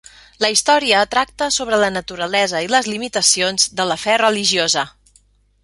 La història tracta sobre la naturalesa i les limitacions de la fe religiosa.